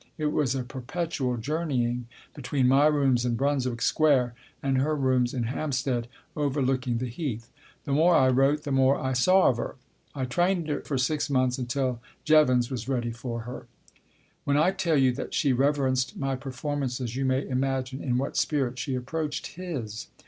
It was a perpetual journeying between my rooms in Brunswick Square and her rooms in Hampstead overlooking the Heath. The more I wrote the more I saw of her. I trained her for six months until Jevons was ready for her. When I tell you that she reverenced my performances you may imagine in what spirit she approached his.